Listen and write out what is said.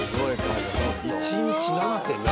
１日７．７。